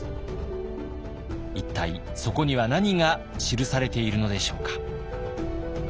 一体そこには何が記されているのでしょうか。